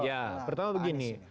ya pertama begini